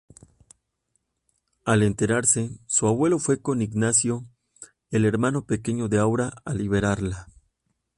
Al enterarse, su abuelo fue con Ignacio, el hermano pequeño de Aura, a liberarla.